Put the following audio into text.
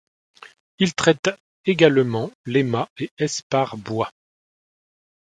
Ils traitent également les mâts et espars bois.